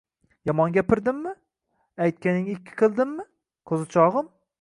Yomon gapirdimmi? Aytganingni ikki qildimmi, ko'zichog'im?